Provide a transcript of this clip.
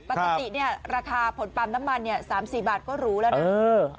ปกติเนี่ยราคาผลปาล์มน้ำมัน๓๔บาทก็รู้แล้วนะ